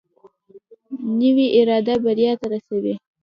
نوې اراده بریا ته رسوي